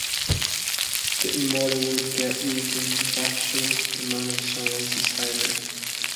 The Immortal will get weakened faster if the amount of sunlight is higher.